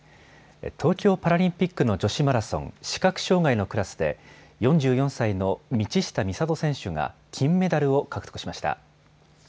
東京パラリンピックの女子マラソン、視覚障害のクラスで４４歳の道下美里選手が金メダルを獲得しました。